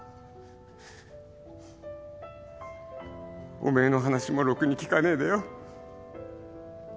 おめえの話もろくに聞かねえでよ。